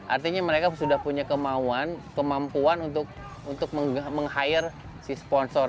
artinya mereka sudah punya kemampuan untuk meng hire si sponsor